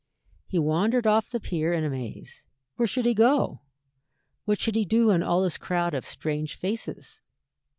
He wandered off the pier in a maze. Where should he go? what should he do in all this crowd of strange faces?